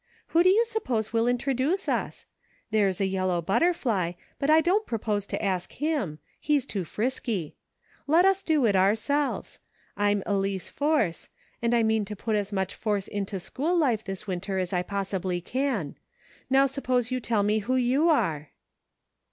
Who do you suppose will introduce us? There's a yel low butterfly, but I don't propose to ask him ; he's too frisky. Let us do it ourselves. I'm Elice Force, and I mean to put as much force into school life this winter as I possibly can. Now, suppose you tell me who you are."